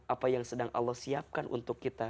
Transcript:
apa yang sedang allah siapkan untuk kita